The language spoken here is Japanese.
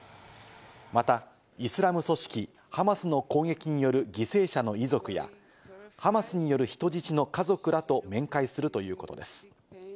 また、イスラム組織・ハマスの攻撃による犠牲者の遺族やハマスによる人質の家族らと面会するということです。